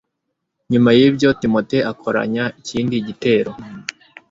nyuma y'ibyo, timote akoranya ikindi gitero